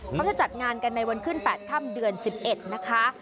เขาจะจัดงานกันในวันขึ้น๘ค่ำเดือน๑๑นะคะ